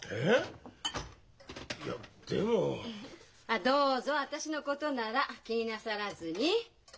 あっどうぞ私のことなら気になさらずに。